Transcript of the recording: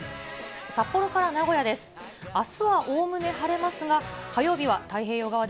札幌から名古屋です。